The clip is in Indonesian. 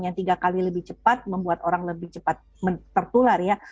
yang tiga kali lebih cepat membuat orang lebih cepat tertular ya